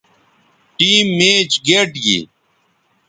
ٹیم میچ گئٹ گی